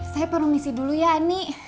saya promisi dulu ya ani